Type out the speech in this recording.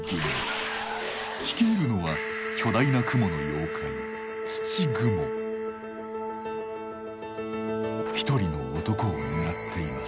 率いるのは巨大な蜘蛛の妖怪一人の男を狙っています。